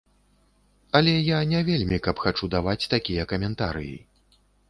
Але я не вельмі каб хачу даваць такія каментарыі.